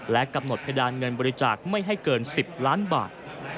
และกำหนดเพดานเงินบริจาคไม่ให้เกิน๑๐ล้านบาท